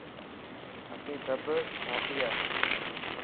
اسين سب ڌاٽي هان.